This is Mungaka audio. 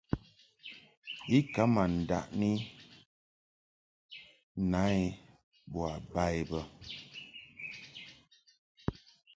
I ka ma ndaʼni na i bo ba i bə.